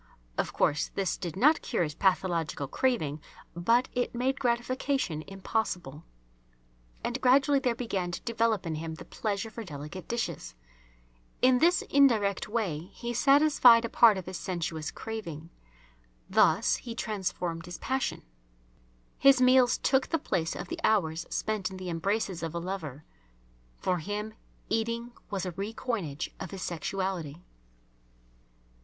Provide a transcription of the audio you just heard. Of course, this did not cure his pathological craving, but it made gratification impossible. And gradually there began to develop in him the pleasure for delicate dishes. In this indirect way he satisfied a part of his sensuous craving. Thus he transformed his passion. His meals took the place of the hours spent in the embraces of a lover. For him eating was a re coinage of his sexuality.